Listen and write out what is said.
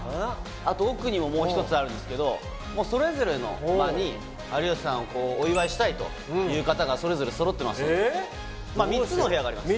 あと奥にももう１つあるんですけどもうそれぞれの間に有吉さんをお祝いしたいという方がそれぞれ揃ってますのでまっ３つの部屋があります